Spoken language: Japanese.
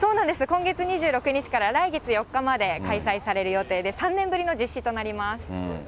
今月２６日から来月４日まで開催される予定で、３年ぶりの実施となります。